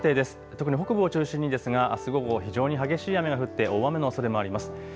特に北部を中心にですがあす午後、非常に激しい雨が降って大雨のおそれもあります。